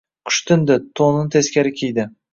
Qush tindi, „to‘nini teskari kiydi“